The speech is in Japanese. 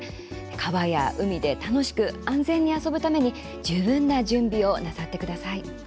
海や川で楽しく安全に遊ぶために十分な準備をなさってください。